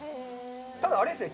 ただ、あれですね。